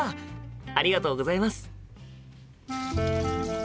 ありがとうございます。